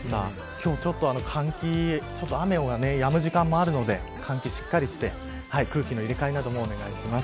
今日は換気雨がやむ時間もあるので換気をしっかりして空気の入れ替えなどもお願いします。